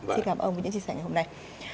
xin cảm ơn với những chia sẻ ngày hôm nay